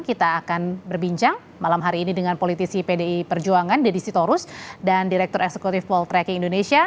kita akan berbincang malam hari ini dengan politisi pdi perjuangan deddy sitorus dan direktur eksekutif poltreking indonesia